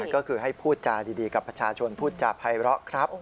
ก็คือให้พูดจาดีกับประชาชนพูดจาภัยเลาะครับ